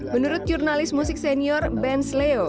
menurut jurnalis musik senior ben sleo